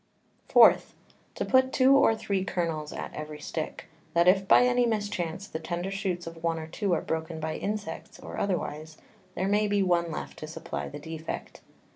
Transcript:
4. To put two or three Kernels at every Stick, that if by any Mischance the tender Shoots of one or two are broken by Insects, or otherwise, there may be one left to supply the Defect.